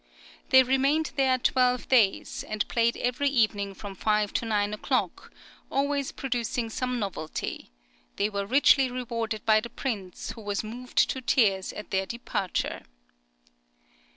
They remained here twelve days, and played every evening from five to nine o'clock, always producing some novelty; they were richly rewarded by the Prince, who was moved to tears at their departure.